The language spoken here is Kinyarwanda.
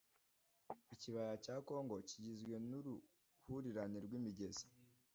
Ikibaya cya Congo kigizwe n’uruhurirane rw’imigezi